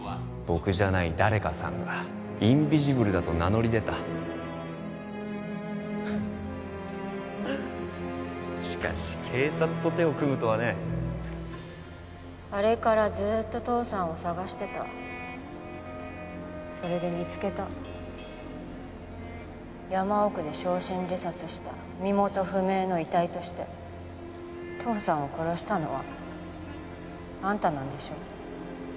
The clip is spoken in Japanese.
僕じゃない誰かさんが「インビジブルだ」と名乗り出たハハしかし警察と手を組むとはねあれからずっと父さんを捜してたそれで見つけた山奥で焼身自殺した身元不明の遺体として父さんを殺したのはあんたなんでしょ？